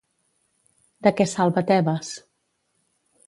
De què salva Tebes?